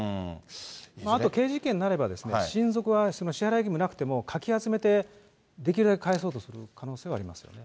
あと刑事事件になれば、親族は支払い義務なくても、かき集めて、できるだけ返そうとする可能性はありますよね。